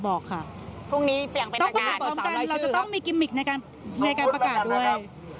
ต้องประกาศต้องการเราจะต้องมีกิมมิกในการประกาศด้วย